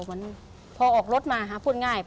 เหมือนพอออกรถมาหาพูดง่าย